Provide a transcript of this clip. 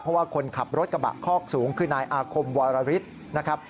เพราะว่าคนขับรถกระบะคอกสูงคือนายอาคมวรฤทธิ์นะครับ